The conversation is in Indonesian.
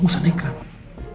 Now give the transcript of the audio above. gak usah nekat